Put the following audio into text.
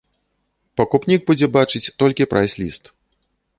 Пакупнік будзе бачыць толькі прайс-ліст.